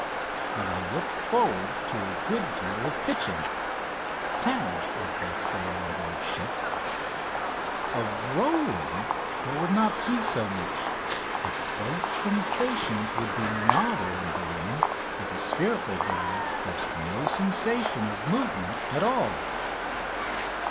And I looked forward to a good deal of pitching (tangage), as they say on board ship of rolling there would not be so much but both sensations would be novel in ballooning, for the spherical balloon gives no sensation of movement at all.